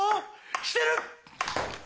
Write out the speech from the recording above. してる！